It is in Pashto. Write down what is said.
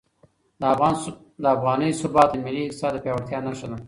د افغانۍ ثبات د ملي اقتصاد د پیاوړتیا نښه ده.